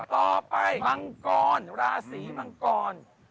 ต่อไปมาร์กรระศรีมาร์กร